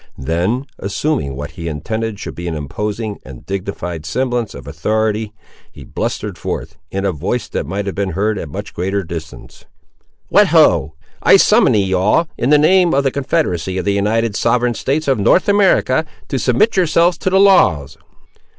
Then, assuming what he intended should be an imposing and dignified semblance of authority, he blustered forth, in a voice that might have been heard at a much greater distance— "What, ho! I summon ye all, in the name of the Confederacy of the United Sovereign States of North America, to submit yourselves to the laws."